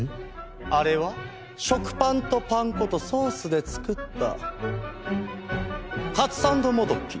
あれは食パンとパン粉とソースで作ったカツサンドもどき。